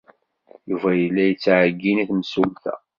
Yuba yella yettɛeyyin i temsulta.